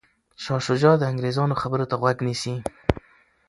شاه شجاع د انګریزانو خبرو ته غوږ نیسي.